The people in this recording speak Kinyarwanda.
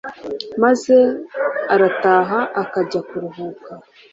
Maze arataha akajya kuruhuka.